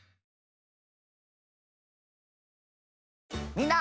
みんな。